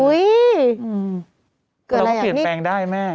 เราก็เปลี่ยนแปลงได้แม่